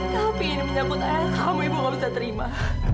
tapi ini menyangkut ayah kamu ibu kamu bisa terima